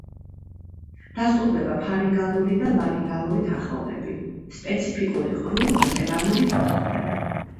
დასტურდება ფარინგალური და ლარინგალური თანხმოვნები, სპეციფიკური ყრუ ლატერალური თანხმოვნები.